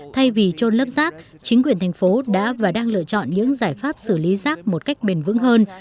thay vì trôn lấp rác chính quyền thành phố đã và đang lựa chọn những giải pháp xử lý rác một cách bền vững hơn